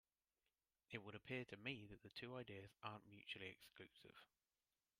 It would appear to me that the two ideas aren't mutually exclusive.